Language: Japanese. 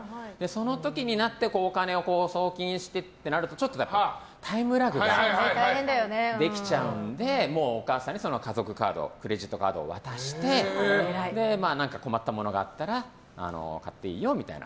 その時になってお金を送金してってなるとちょっとタイムラグができちゃうのでもうお母さんに家族カードクレジットカードを渡して困ったものがあったら買っていいよみたいな。